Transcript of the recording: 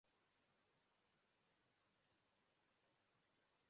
Onye isi ala mba Venezuela